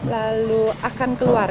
lalu akan keluar